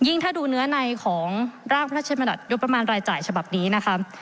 ถ้าดูเนื้อในของร่างพระธรรมนัฐงบประมาณรายจ่ายฉบับนี้นะคะ